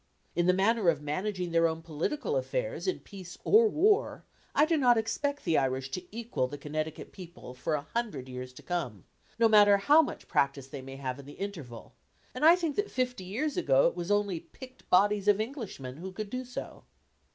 In the matter of managing their own political affairs in peace or war, I do not expect the Irish to equal the Connecticut people for a hundred years to come, no matter how much practice they may have in the interval, and I think that fifty years ago it was only picked bodies of Englishmen who could do so.